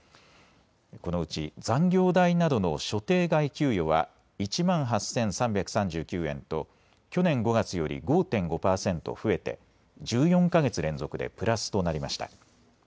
このうち残業代などの所定外給与は１万８３３９円と去年５月より５．５％増えて１４か月連続でプラスとなりました。